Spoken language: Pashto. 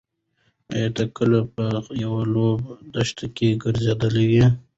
ایا ته کله په یوه لویه دښته کې ګرځېدلی یې؟